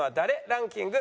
ランキング